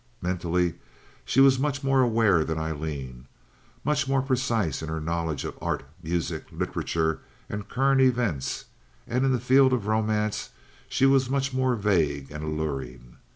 Mentally she was much more aware than Aileen, much more precise in her knowledge of art, music, literature, and current events; and in the field of romance she was much more vague and alluring.